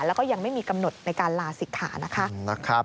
แล้วก็ยังไม่มีกำหนดในการลาศิกขานะคะ